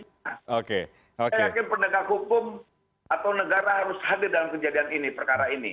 saya yakin pendekat hukum atau negara harus hadir dalam kejadian ini perkara ini